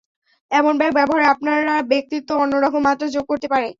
এমন ব্যাগ ব্যবহারে আপনার ব্যক্তিত্বে অন্য রকম মাত্রা যোগ করতে পারে।